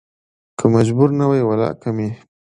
که مجبور نه وى ولا کې مې